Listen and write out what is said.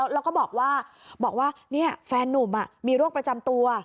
แล้วก็บอกว่าแฟนนุ่มมีโรคประจำตัว